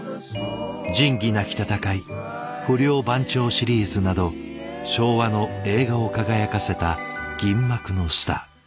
「仁義なき戦い」「不良番長」シリーズなど昭和の映画を輝かせた銀幕のスター。